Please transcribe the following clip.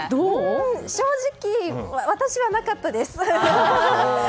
正直、私はなかったです。